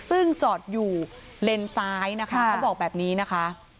ซึ่งจอดอยู่เลนซ้ายนะคะเขาบอกแบบนี้นะคะ